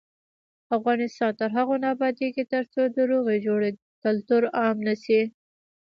افغانستان تر هغو نه ابادیږي، ترڅو د روغې جوړې کلتور عام نشي.